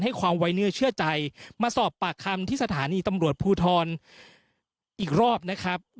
ความไว้เนื้อเชื่อใจมาสอบปากคำที่สถานีตำรวจภูทรอีกรอบนะครับ